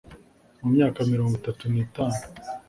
Mu myaka mirongo itatu n’itanu